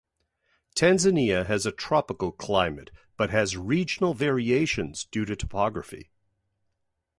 Tanzania has a tropical climate but has regional variations due to topography.